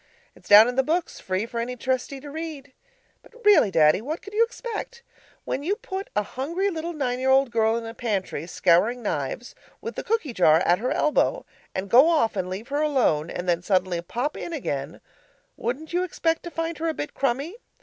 It's down in the books free for any Trustee to read. But really, Daddy, what could you expect? When you put a hungry little nine year girl in the pantry scouring knives, with the cookie jar at her elbow, and go off and leave her alone; and then suddenly pop in again, wouldn't you expect to find her a bit crumby?